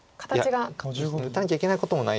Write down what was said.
いや打たなきゃいけないこともないか。